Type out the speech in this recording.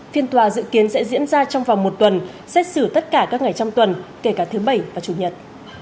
phiên tòa dự kiến sẽ diễn ra trong vòng một tuần xét xử tất cả các ngày trong tuần kể cả thứ bảy và chủ nhật